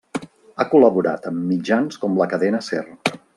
Ha col·laborat amb mitjans com la Cadena Ser.